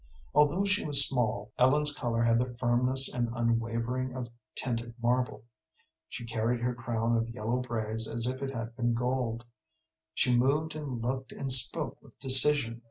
Although she was small, Ellen's color had the firmness and unwavering of tinted marble; she carried her crown of yellow braids as if it had been gold; she moved and looked and spoke with decision.